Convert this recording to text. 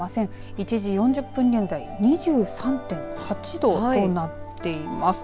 １時４０分現在２３．８度となっています。